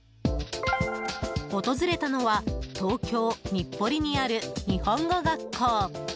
訪れたのは東京・日暮里にある日本語学校。